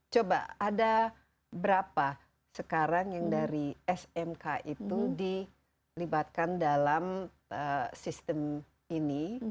coba ada berapa sekarang yang dari smk itu dilibatkan dalam sistem ini